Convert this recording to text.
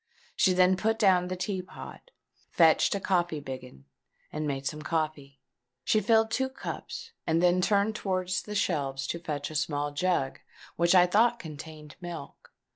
She then put down the tea pot, fetched a coffee biggin, and made some coffee. She filled two cups, and then turned towards the shelves to fetch a small jug, which I thought contained milk.